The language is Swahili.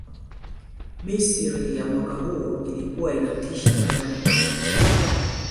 misri ya mwaka huo ilikuwa inatisha barani afrika